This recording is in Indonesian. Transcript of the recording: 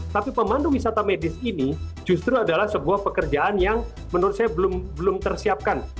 tapi pemandu wisata medis ini justru adalah sebuah pekerjaan yang menurut saya belum tersiapkan